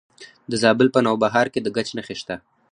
د زابل په نوبهار کې د ګچ نښې شته.